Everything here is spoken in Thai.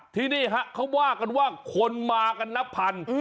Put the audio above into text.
ที่นี่ฮะเขาว่ากันว่าคนมากันนับพัน